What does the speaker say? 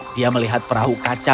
dia melihat perahu kaca